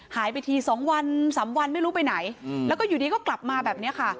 หายไปทีสองวันสามวันไม่รู้ไปไหนแล้วก็อยู่ดีก็กลับมาแบบนี้ค่ะ